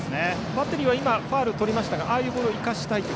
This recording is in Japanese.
バッテリーは今ファウルでしたがああいうボールを生かしたいと。